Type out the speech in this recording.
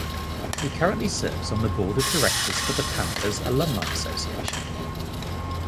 He currently serves on the Board of Directors for the Panthers Alumni Association.